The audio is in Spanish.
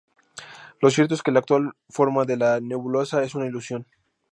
Lo cierto es que la actual forma de la nebulosa es una ilusión.